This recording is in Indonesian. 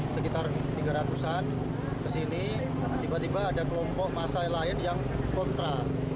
sekitar tiga ratusan kesini tiba tiba ada kelompok masa lain yang kontra